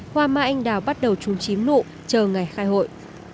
hoa mai anh đào bắt đầu trúng chím nụ chờ ngày khai hội